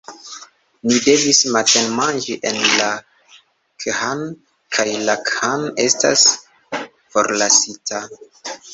Ni devis matenmanĝi en la khan kaj la khan estas forlasita!